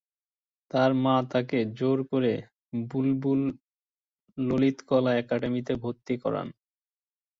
তার মা তাকে জোর করে বুলবুল ললিতকলা একাডেমিতে ভর্তি করান।